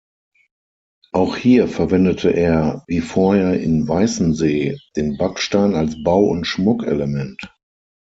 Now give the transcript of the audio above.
Auch hier verwendete er, wie vorher in Weißensee, den Backstein als Bau- und Schmuckelement.